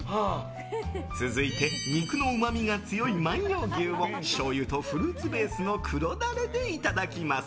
続いて肉のうまみが強い万葉牛をしょうゆとフルーツベースの黒ダレでいただきます。